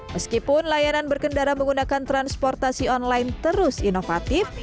meskipun layanan berkendara menggunakan transportasi online terus inovatif